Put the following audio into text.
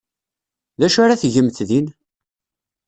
D acu ara tgemt din?